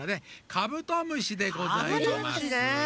カブトムシでございます。